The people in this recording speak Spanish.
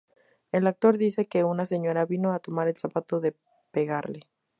El actor dice que una señora vino a tomar el zapato de pegarle.